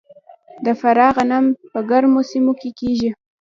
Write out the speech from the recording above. د فراه غنم په ګرمو سیمو کې کیږي.